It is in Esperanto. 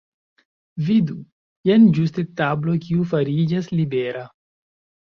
Vidu! Jen ĝuste tablo kiu fariĝas libera.